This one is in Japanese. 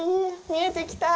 見えてきた！